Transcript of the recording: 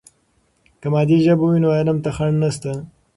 که مادي ژبه وي نو علم ته خنډ نسته.